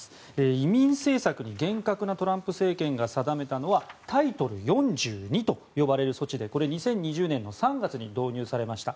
移民政策に厳格なトランプ政権が定めたのはタイトル４２という措置でこれ、２０２０年の３月に導入されました。